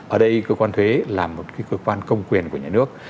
ở đây cơ quan thuế là một cơ quan công quyền của nhà nước